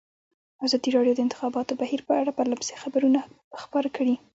ازادي راډیو د د انتخاباتو بهیر په اړه پرله پسې خبرونه خپاره کړي.